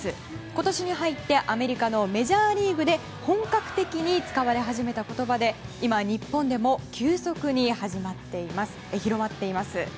今年に入ってアメリカのメジャーリーグで本格的に使われ始めた言葉で今、日本でも急速に広まっています。